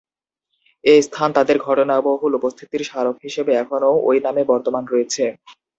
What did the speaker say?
এ স্থান তাদের ঘটনাবহুল উপস্থিতির স্মারক হিসেবে এখনও ওই নামে বর্তমান রয়েছে।